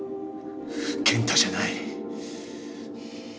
健太じゃない。